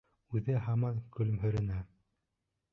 Үҙе һаман көлөмһөрәне.